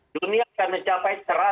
dunia akan mencapai seratus juta kasus